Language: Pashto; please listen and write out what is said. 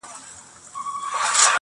د معاصرو شاعرانو مطالعه